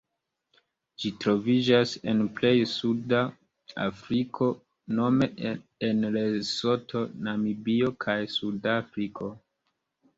Ĝi troviĝas en plej suda Suda Afriko nome en Lesoto, Namibio kaj Sudafriko.